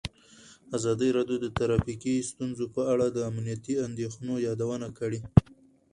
ازادي راډیو د ټرافیکي ستونزې په اړه د امنیتي اندېښنو یادونه کړې.